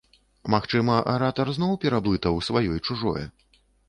Магчыма, аратар зноў пераблытаў сваё і чужое?